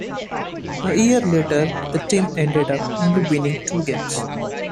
A year later the team ended up only winning two games.